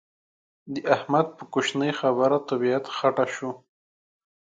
د احمد په کوشنۍ خبره طبيعت خټه شو.